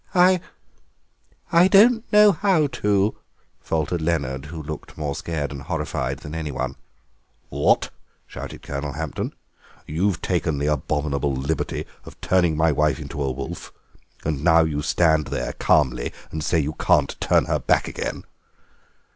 "I—I don't know how to," faltered Leonard, who looked more scared and horrified than anyone. "What!" shouted Colonel Hampton, "you've taken the abominable liberty of turning my wife into a wolf, and now you stand there calmly and say you can't turn her back again!"